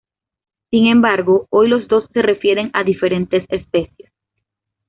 Sin embargo, hoy los dos se refieren a diferentes especies.